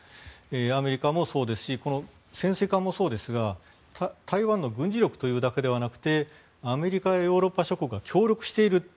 アメリカもそうですしこの潜水艦もそうですが台湾の軍事力というだけではなくてアメリカやヨーロッパ諸国が協力している。